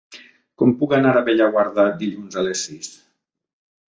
Com puc anar a Bellaguarda dilluns a les sis?